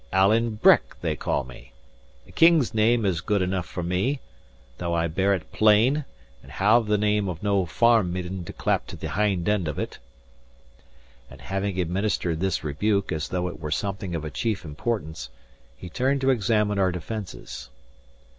"Alan Breck, they call me. A king's name is good enough for me, though I bear it plain and have the name of no farm midden to clap to the hind end of it." And having administered this rebuke, as though it were something of a chief importance, he turned to examine our defences.